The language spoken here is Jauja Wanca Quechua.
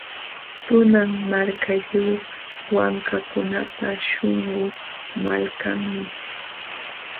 Tunan Marka, lliw wankakunapa śhunqu malkanmi.